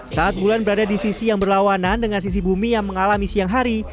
saat bulan berada di sisi yang berlawanan dengan sisi bumi yang mengalami siang hari